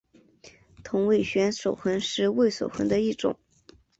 同位旋守恒是味守恒的一种。